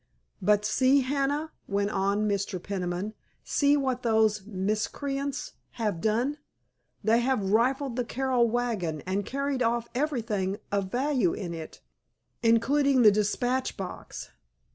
"But see, Hannah," went on Mr. Peniman, "see what those miscreants have done! They have rifled the Carroll wagon and carried off everything of value in it, including the dispatch box."